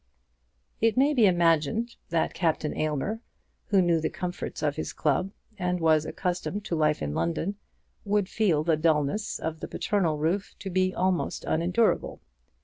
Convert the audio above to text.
It may be imagined that Captain Aylmer, who knew the comforts of his club and was accustomed to life in London, would feel the dulness of the paternal roof to be almost unendurable.